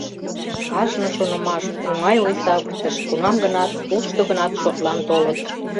Кажне шонымаш, оҥай ойсавыртыш кунам-гынат, кушто-гынат шотлан толыт.